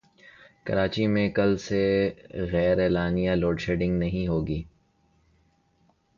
کراچی میں کل سے غیراعلانیہ لوڈشیڈنگ نہیں ہوگی